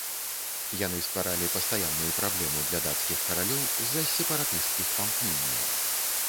Яны стваралі пастаянную праблему для дацкіх каралёў з-за сепаратысцкіх памкненняў.